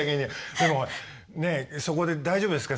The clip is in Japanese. でもほらそこで大丈夫ですか？